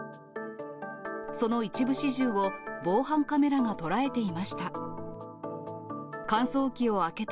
その一部始終を防犯カメラが捉えていました。